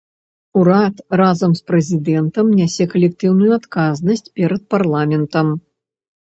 Урад разам з прэзідэнтам нясе калектыўную адказнасць перад парламентам.